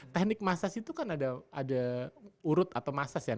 teknik massage itu kan ada urut atau massage ya